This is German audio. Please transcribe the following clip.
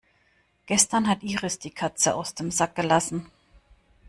Gestern hat Iris die Katze aus dem Sack gelassen.